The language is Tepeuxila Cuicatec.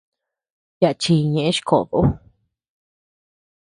Yaʼa chi ñeʼe chi koʼod ú.